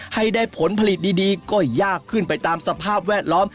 ให้ได้ผลผลิตดีก็ยากขึ้นไปตามสภาพแวดล้อม